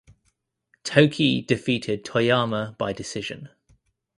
Toki defeated Toyama by decision.